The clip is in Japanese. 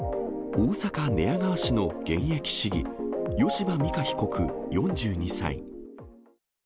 大阪・寝屋川市の現役市議、吉羽美華被告４２歳。